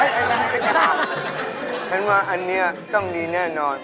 ฉันว่าอันนี้ต้องมีแน่นอน